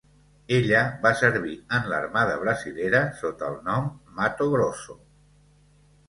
Ella va servir en l'Armada brasilera sota el nom "Mato Grosso".